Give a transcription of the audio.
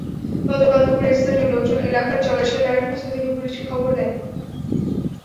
গতকাল দুপুরে স্থানীয় লোকজন এলাকার জলাশয়ে লাশ ভাসতে দেখে পুলিশকে খবর দেয়।